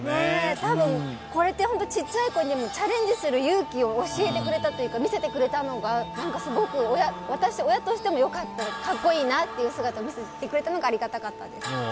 多分、これって本当小さい子にもチャレンジする勇気を教えてくれたというか見せてくれたのがすごく私、親としても良かったし格好いい姿を見せてくれたのがありがたかったです。